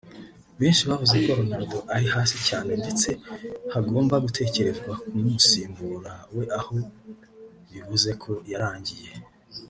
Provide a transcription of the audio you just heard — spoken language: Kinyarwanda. benshi bavuze ko Ronaldo ari hasi cyane ndetse hagomba gutekerezwa ku musimbura we aho bavuze ko yarangiye